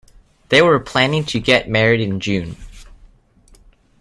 They were planning to get married in June.